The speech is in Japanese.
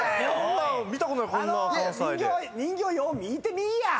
人形よう見いてみいや！